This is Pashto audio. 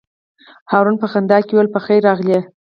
هارون په خندا کې وویل: په خیر راغلې.